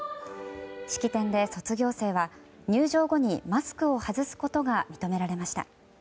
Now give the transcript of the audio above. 式典で卒業生は入場後にマスクを外すことが認められました。